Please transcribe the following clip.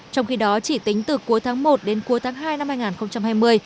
trong khi đó chỉ tính từ cuối tháng một đến cuối tháng hai năm hai nghìn hai mươi